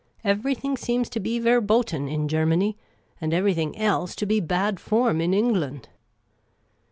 I'A'erything seems to be verbotcu in Germany ; and everything else to be had form in England."